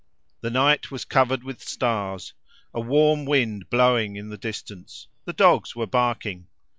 The night was covered with stars, a warm wind blowing in the distance; the dogs were barking.